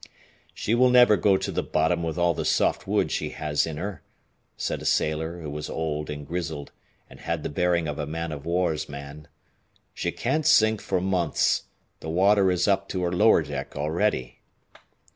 "She will never go to the bottom with all the soft wood she has in her," said a sailor who was old and grizzled and had the bearing of a man of war's man. "She can't sink for months. The water is up to her lower deck already."